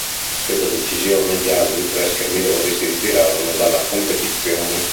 A questa decisione gli altri tre schermidori si ritirarono dalla competizione.